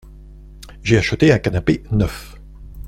J’ai acheté un canapé neuf.